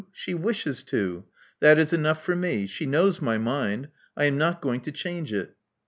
She wishes to: that is enough for me. She knows my mind. I am not going to change it.